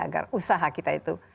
agar usaha kita itu